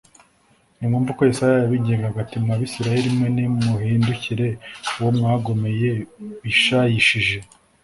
nimwumve uko yesaya yabingingaga ati mwa bisirayeli mwe, nimuhindukirire uwo mwagomeye bishayishije